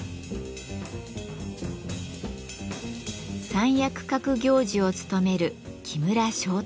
三役格行司を務める木村庄太郎さん。